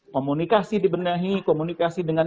komunikasi dibenahi komunikasi dengan